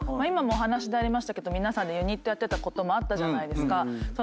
今もお話でありましたけど皆さんでユニットやってたこともあったじゃないですか。